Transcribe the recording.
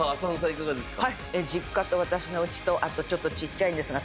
いかがですか？